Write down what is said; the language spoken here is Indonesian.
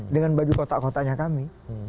dengan bagi kotak kotaknya kami